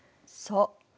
そう。